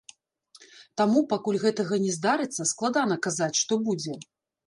Таму, пакуль гэтага не здарыцца, складана казаць, што будзе.